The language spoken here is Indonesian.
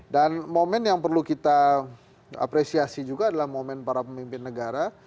dan momen yang perlu kita apresiasi juga adalah momen para pemimpin negara